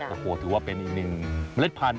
โอ้โหถือว่าเป็นอีกหนึ่งเมล็ดพันธุ